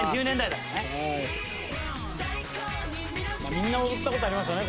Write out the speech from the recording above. みんな踊った事ありますよね